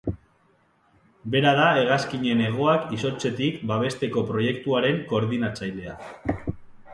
Bera da hegazkinen hegoak izotzetik babesteko proiektuaren koordinatzailea.